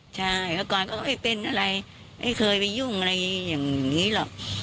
เขาไม่เป็นอะไรไม่เคยไปยุ่งอะไรอย่างนี้หรอก